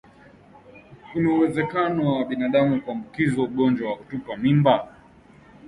Kuna uwezekano wa binadamu kuambukizwa ugonjwa wa kutupa mimba